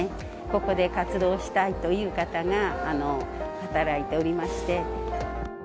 ここで活動したいという方が働いておりまして。